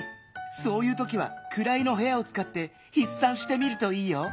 そういうときは「くらいのへや」をつかってひっさんしてみるといいよ。